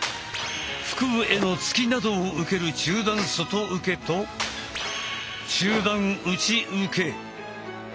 腹部への突きなどを受ける中段外受けと中段内受け。